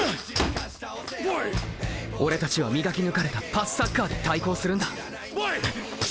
俺たちは、磨き抜かれたパスサッカーで対抗するんだ。